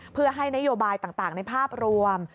เพื่อให้นโยบายต่างในภาพรวม